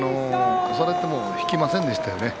押されても引きませんでしたよね。